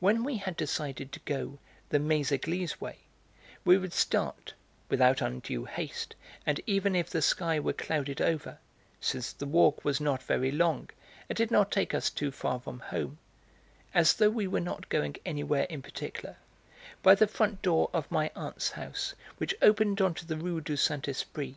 When we had decided to go the 'Méséglise way' we would start (without undue haste, and even if the sky were clouded over, since the walk was not very long, and did not take us too far from home), as though we were not going anywhere in particular, by the front door of my aunt's house, which opened on to the Rue du Saint Esprit.